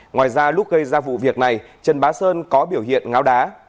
ngoài ra lúc gây ra vụ việc này trần bá sơn có biểu hiện ngáo đá